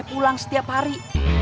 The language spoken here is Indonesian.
pulang setiap hari